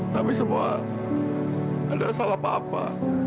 tapi semua ada salah papa